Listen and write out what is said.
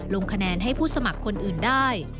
ลงคะแนนให้ผู้สมัครคนอื่นได้